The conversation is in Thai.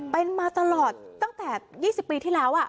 เป็นมาตลอดตั้งแต่๒๐ปีที่แล้ว